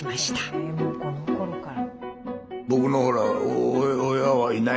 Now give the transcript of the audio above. へもうこのころから。